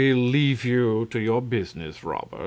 We'll leave you to your business, Robert.